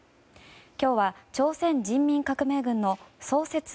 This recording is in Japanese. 今日は朝鮮人民革命軍の創設